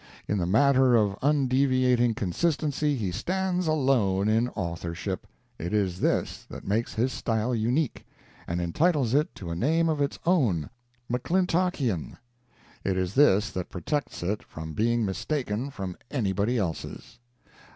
In the matter of undeviating consistency he stands alone in authorship. It is this that makes his style unique, and entitles it to a name of its own McClintockian. It is this that protects it from being mistaken for anybody else's.